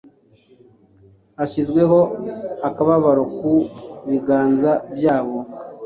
hashyizweho akababaro ku biganza byabo